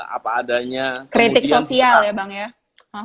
apa adanya kritik sosial ya bang ya